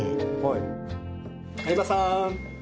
相葉さん！